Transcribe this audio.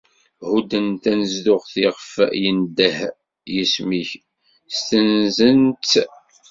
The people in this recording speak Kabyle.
Hudden tanezduɣt iɣef yendeh yisem-ik, sdensen-tt.